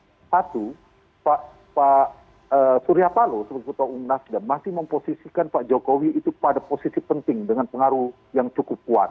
satu pak surya palo sebagai ketua umum nasdem masih memposisikan pak jokowi itu pada posisi penting dengan pengaruh yang cukup kuat